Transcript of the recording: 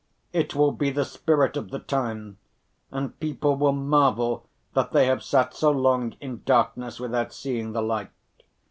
It will be the spirit of the time, and people will marvel that they have sat so long in darkness without seeing the light.